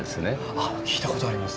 あっ聞いた事あります。